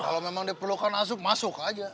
kalau memang diperlukan asuh masuk aja